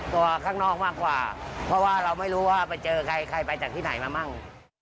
ข้างนอกมากกว่าเพราะว่าเราไม่รู้ว่าไปเจอใครใครไปจากที่ไหนมามั่ง